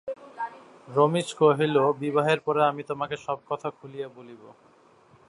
রমেশ কহিল, বিবাহের পরে আমি তোমাকে সব কথা খুলিয়া বলিব।